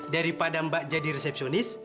daripada mbak jadi resepsionis